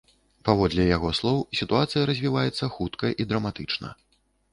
Паводле яго слоў, сітуацыя развіваецца хутка і драматычна.